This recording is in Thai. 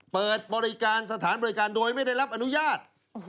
เปิดบริการสถานบริการโดยไม่ได้รับอนุญาต